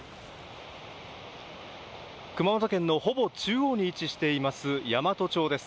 熊本県のほぼ中央に位置しています山都町です。